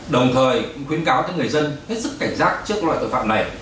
đồng thời cũng khuyến cáo cho người dân hết sức cảnh giác trước các loại tội phạm này